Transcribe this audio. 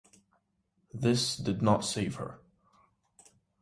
This did not save her.